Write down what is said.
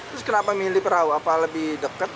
terus kenapa milih perahu apa lebih dekat